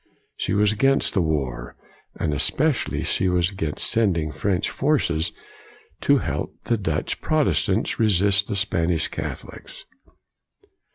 She was against the war; and especially she was against sending French forces to help the Dutch Protestants resist the Spanish Catholics.